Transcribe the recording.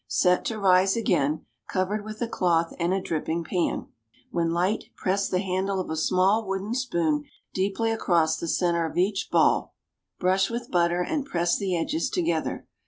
Set to rise again, covered with a cloth and a dripping pan. When light press the handle of a small wooden spoon deeply across the centre of each ball, brush with butter and press the edges together.